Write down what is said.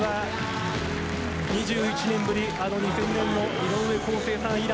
あの２０００年の井上康生さん以来。